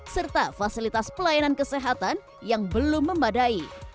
serta fasilitas pelayanan kesehatan yang belum memadai